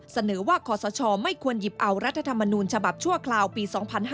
เสนอว่าขอสชไม่ควรหยิบเอารัฐธรรมนูญฉบับชั่วคราวปี๒๕๕๙